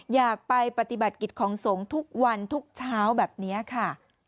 อยากไปปฏิบัติกิจของสงฆ์ทุกวันทุกเช้าแบบนี้ค่ะ